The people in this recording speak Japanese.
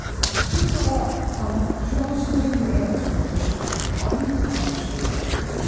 ですからフランス全土の都心部に人たちがいる。